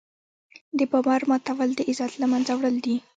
د باور ماتول د عزت له منځه وړل دي.